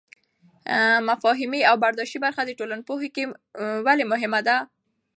مفاهیمي او برداشتي برخه د ټولنپوهنه کې ولې مهمه ده؟